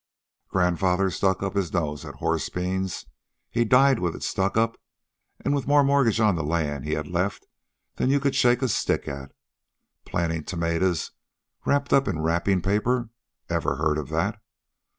Grandfather stuck up his nose at horse beans. He died with it stuck up, an' with more mortgages on the land he had left than you could shake a stick at. Plantin' tomatoes wrapped up in wrappin' paper ever heard of that?